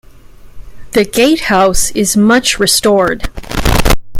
The gatehouse is much restored.